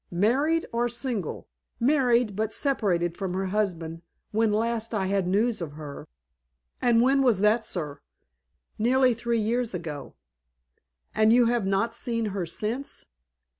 "Married or single?" "Married, but separated from her husband when last I had news of her." "And when was that, sir?" "Nearly three years ago." "And you have not seen her since?"